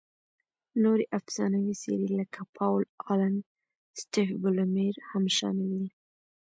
نورې افسانوي څېرې لکه پاول الن، سټیف بولمیر هم شامل دي.